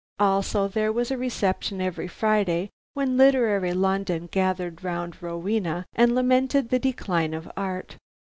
Also there was a reception every Friday when literary London gathered round "Rowena," and lamented the decline of Art.